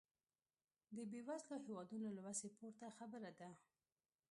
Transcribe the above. د بېوزلو هېوادونو له وسې پورته خبره ده.